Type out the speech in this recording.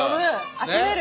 集める。